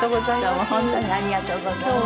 どうも本当にありがとうございました。